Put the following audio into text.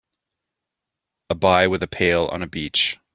A buy with a pale on a beach.